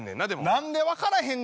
何で分からへんねん。